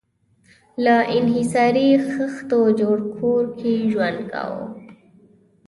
له انحصاري خښتو جوړ کور کې ژوند کاوه.